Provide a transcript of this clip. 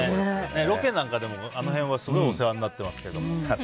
ロケなんかでもあの辺はすごいお世話になってますけど。